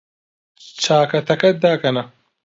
چاکەتەکەت داکەنە.